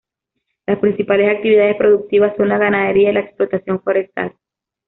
Las principales actividades productivas son la ganadería y la explotación forestal.